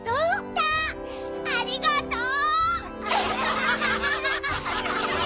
ありがとう！